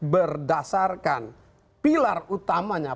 berdasarkan pilar utamanya